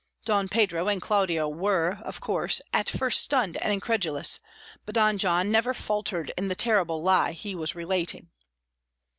Don Pedro and Claudio were, of course, at first stunned and incredulous, but Don John never faltered in the terrible lie he was relating.